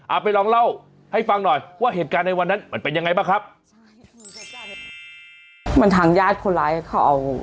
อะไปลองเล่าให้ฟังหน่อยว่าเหตุการณ์ในวันนั้นมันเป็นยังไงบ้างครับ